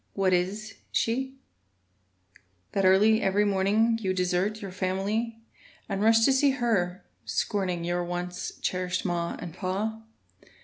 What is she That early every morning You desert your family And rush to see her, scorning Your once cherished ma and me?